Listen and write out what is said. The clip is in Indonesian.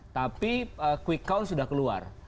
tapi quick count sudah keluar